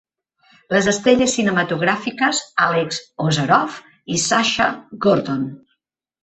Les estrelles cinematogràfiques Alex Ozerov i Sasha Gordon.